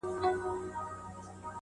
قاسم یار چي په ژړا کي په خندا سي،